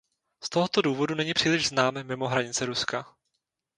Z tohoto důvodu není příliš znám mimo hranice Ruska.